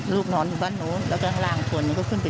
ลูกนอนอยู่บ้านโน้นแล้วก็ล่างคนก็ขึ้นไปช่วย